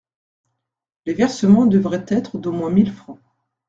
Les versements devraient être d'au moins mille fr.